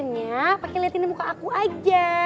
nah pakai liatin di muka aku aja